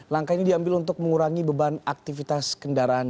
langkah ini diambil untuk mengurangi beban aktivitas kendaraan